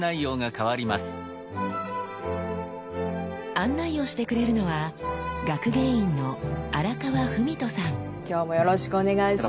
案内をしてくれるのは今日もよろしくお願いします。